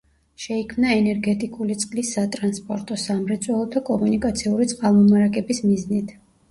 შეიქმნა ენერგეტიკული, წყლის სატრანსპორტო, სამრეწველო და კომუნიკაციური წყალმომარაგების მიზნით.